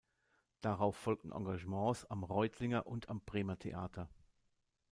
Darauf folgten Engagements am Reutlinger und am Bremer Theater.